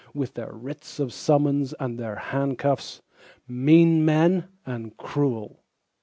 With their Writs of Summons and their handcuffs, Men mean and cruel.